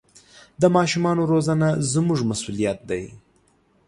د ماشومانو روزنه زموږ مسوولیت دی.